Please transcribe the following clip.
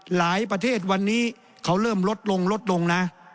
หลายประเทศวันนี้เขาเริ่มลดลงลดลงนะ